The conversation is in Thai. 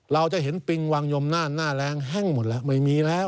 เราจะเห็นปิงวางยมหน้าหน้าแรงแห้งหมดแล้วไม่มีแล้ว